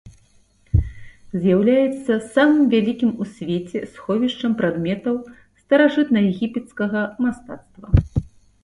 З'яўляецца самым вялікім у свеце сховішчам прадметаў старажытнаегіпецкага мастацтва.